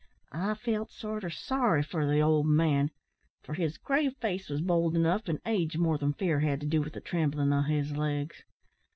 I felt sorter sorry for the old man, for his grave face was bold enough, and age more than fear had to do with the tremblin' o' his legs.